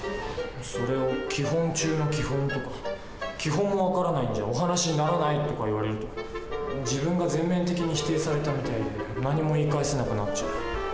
それを「基本中の基本」とか「基本も分からないんじゃお話にならない」とか言われると自分が全面的に否定されたみたいで何も言い返せなくなっちゃう。